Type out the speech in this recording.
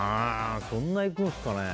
そんないくんですかね。